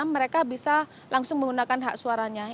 mereka bisa langsung menggunakan hak suaranya